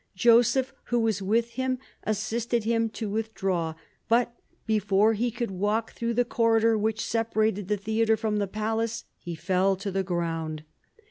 Joseph, who was with him, assisted him to withdraw, but before he could walk through the corridor which separated the theatre from the palace, he fell to the ground.